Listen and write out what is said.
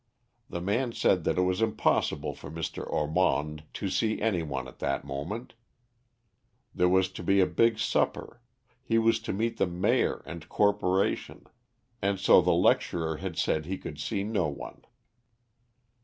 The man said that it was impossible for Mr. Ormond to see any one at that moment; there was to be a big supper; he was to meet the Mayor and Corporation; and so the lecturer had said he could see no one.